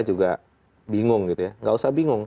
juga bingung gitu ya nggak usah bingung